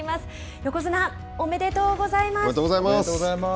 横綱、おめでとうございます。